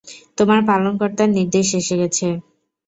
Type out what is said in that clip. তোমার পালনকর্তার নির্দেশ এসে গেছে।